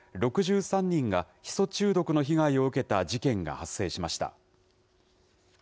６３人がヒ素中毒の被害を受けた事件が発生しました。